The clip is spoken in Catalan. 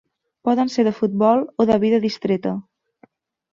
Poden ser de futbol o de vida distreta.